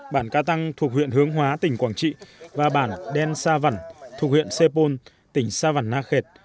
bản ca tăng thuộc huyện hướng hóa tỉnh quảng trị và bản đen sa văn thuộc huyện sê pôn tỉnh sa văn na khệt